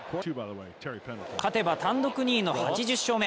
勝てば単独２位の８０勝目。